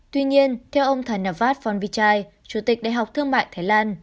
tuy nhiên theo ông thanh navat phongvichai chủ tịch đại học thương mại thái lan